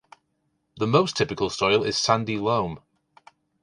The most typical soil is sandy loam.